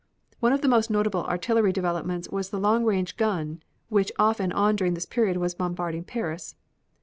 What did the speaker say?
One of the most noticeable artillery developments was the long range gun which off and on during this period was bombarding Paris.